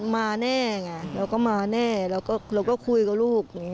มาแน่ไงเราก็มาแน่เราก็คุยกับลูก